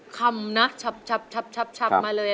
คำนะชับมาเลย